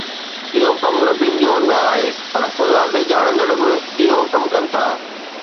اھو ڪم نبين جو نه آھي، پر خدا کي ڄاڻندڙ به اھو ڪم ڪن ٿا.